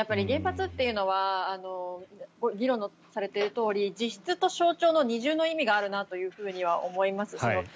原発というのは議論されているとおり実質と象徴の二重の意味があるなと思います。